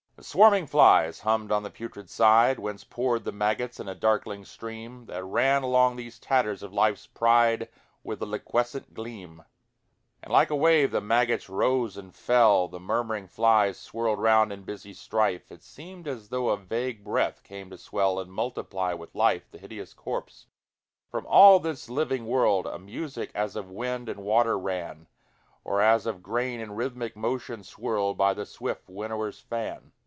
The swarming flies hummed on the putrid side, Whence poured the maggots in a darkling stream, That ran along these tatters of life's pride With a liquescent gleam. And like a wave the maggots rose and fell, The murmuring flies swirled round in busy strife: It seemed as though a vague breath came to swell And multiply with life The hideous corpse. From all this living world A music as of wind and water ran, Or as of grain in rhythmic motion swirled By the swift winnower's fan.